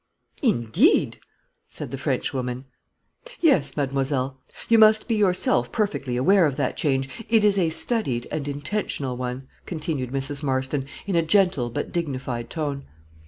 "Indeed!" said the Frenchwoman. "Yes, mademoiselle; you must be yourself perfectly aware of that change; it is a studied and intentional one," continued Mrs. Marston, in a gentle but dignified tone.